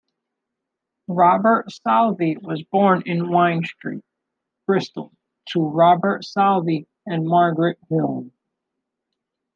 Robert Southey was born in Wine Street, Bristol, to Robert Southey and Margaret Hill.